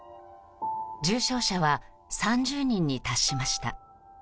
重症者は３０人に達しました。